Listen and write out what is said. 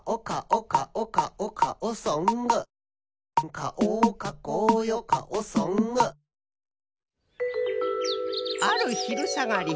「かおをかこうよかおソング」あるひるさがり